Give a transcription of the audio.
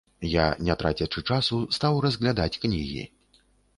Я, не трацячы часу, стаў разглядаць кнігі.